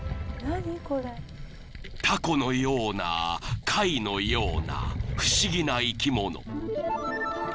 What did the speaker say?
［タコのような貝のような不思議な生き物］